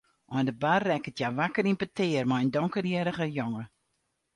Oan de bar rekket hja wakker yn petear mei in donkerhierrige jonge.